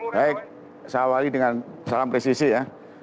baik saya awali dengan salam presisi ya